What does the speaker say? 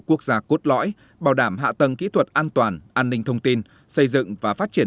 quốc gia cốt lõi bảo đảm hạ tầng kỹ thuật an toàn an ninh thông tin xây dựng và phát triển